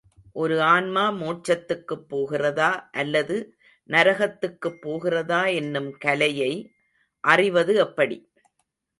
ஒரு ஆன்மா மோட்சத்துக்குப் போகிறதா, அல்லது நரகத்துக்குப் போகிறதா என்னும் கலையை அறிவது எப்படி?